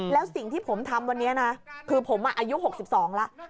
แล้วสิ่งที่ผมทำวันนี้นะคือผมอายุ๖๒แล้ว